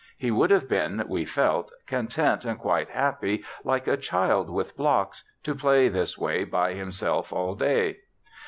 He would have been, we felt, content and quite happy, like a child with blocks, to play this way by himself all day.